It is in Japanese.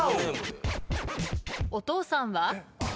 お父さんは？